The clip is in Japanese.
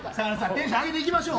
テンション上げていきましょう。